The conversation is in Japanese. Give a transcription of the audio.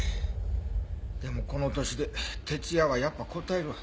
でもこの年で徹夜はやっぱこたえるわ。